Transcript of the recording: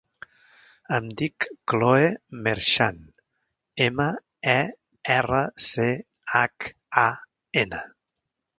Em dic Khloe Merchan: ema, e, erra, ce, hac, a, ena.